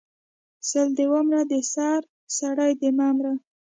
سل دی ومره د سر سړی د مه مره